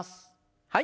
はい。